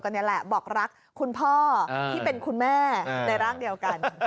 นี่แหละบอกรักคุณพ่อที่เป็นคุณแม่ในร่างเดียวกัน